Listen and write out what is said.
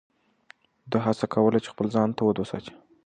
ده هڅه کوله چې خپل ځان تود وساتي.